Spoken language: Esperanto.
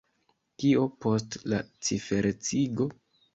Kio post la ciferecigo?